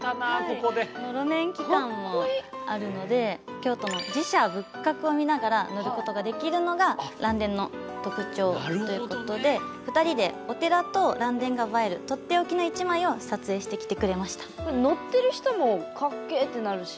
路面区間もあるので京都の寺社仏閣を見ながら乗ることができるのが嵐電の特徴ということで２人でお寺と嵐電が映えるとっておきの１枚を撮影してきてくれました。